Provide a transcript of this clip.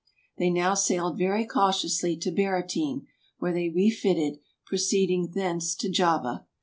They now sailed very cautiously to Baratene, where they refitted, proceeding thence to Java.